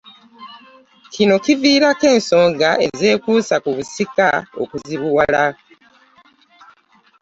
Kino kiviirako ensonga ezeekuusa ku busika okuzibuwala.